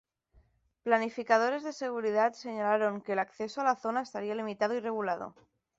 Planificadores de seguridad señalaron que el acceso a la zona estaría limitado y regulado.